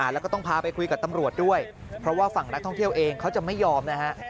แล้วก็ต้องพาไปคุยกับตำรวจด้วยเพราะว่าฝั่งนักท่องเที่ยวเองเขาจะไม่ยอมนะฮะ